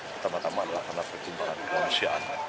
pertama tama adalah karena perkembangan kemuliaan